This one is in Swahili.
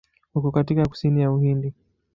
Uko katika kusini ya Uhindi.